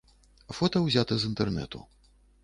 Фота ўзята з інтэрнэту.